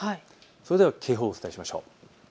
それでは警報をお伝えしましょう。